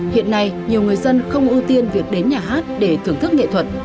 hiện nay nhiều người dân không ưu tiên việc đến nhà hát để thưởng thức nghệ thuật